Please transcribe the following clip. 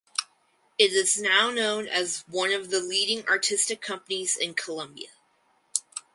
It is now known as one of the leading artistic companies in Colombia.